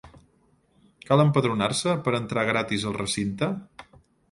Cal empadronar-se per entrar gratis al recinte?